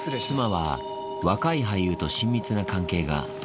妻は若い俳優と親密な関係が。